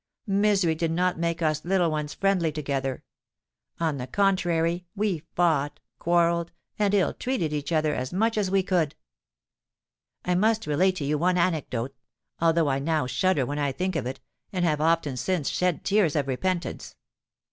Misery did not make us little ones friendly together. On the contrary, we fought, quarrelled, and ill treated each other as much as we could. I must relate to you one anecdote—although I now shudder when I think of it, and have often since shed tears of repentance.